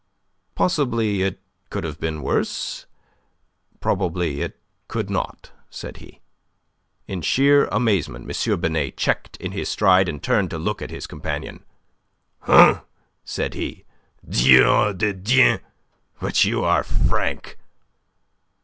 "Possibly it could have been worse; probably it could not," said he. In sheer amazement M. Binet checked in his stride, and turned to look at his companion. "Huh!" said he. "Dieu de Dieu! But you are frank."